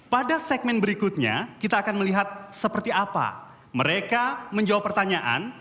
pada segmen berikutnya kita akan melihat seperti apa mereka menjawab pertanyaan